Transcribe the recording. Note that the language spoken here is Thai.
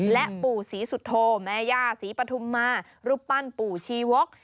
และปู่ศรีสุโธแม่ย่าศรีปฐุมมารูปปั้นปู่ชีวก